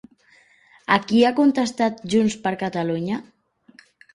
A qui ha contestat Junts per Catalunya?